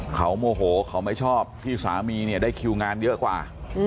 เขาโมโหเขาไม่ชอบที่สามีเนี่ยได้คิวงานเยอะกว่า